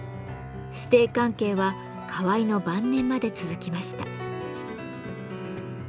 師弟関係は河井の晩年まで続きました。